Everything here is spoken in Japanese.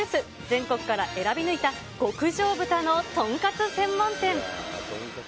全国から選び抜いた極上豚のとんかつ専門店。